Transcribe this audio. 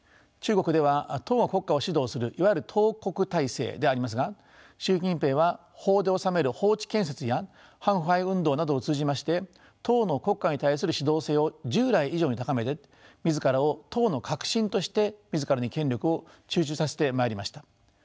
中国では党が国家を指導するいわゆる党国体制でありますが習近平は法で治める法治建設や反腐敗運動などを通じまして党の国家に対する指導性を従来以上に高めて自らを党の核心として自らに権力を集中させてまいりました。